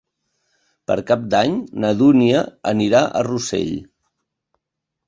Per Cap d'Any na Dúnia anirà a Rossell.